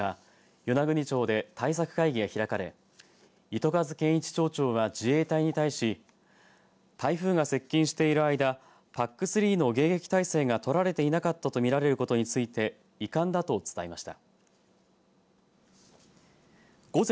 与那国町で対策会議が開かれ糸数町長は自衛隊に対し台風が接近している間ＰＡＣ３の迎撃態勢が取られていなかったと見られることについて遺憾だと伝えました。